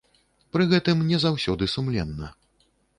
Пры гэтым, не заўсёды сумленна.